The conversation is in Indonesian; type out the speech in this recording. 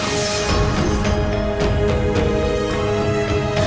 kamu masih fer visuals